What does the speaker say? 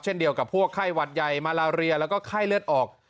เช่นเดียวกับพวกไข้หวัดใหญ่มาลาเรียแล้วก็ไข้เลือดออก